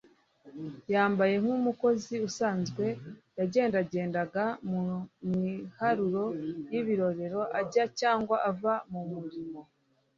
Yambaye nk'umukozi usanzwe, yagendagendaga mu miharuro y'ibirorero ajya cyangwa ava mu murimo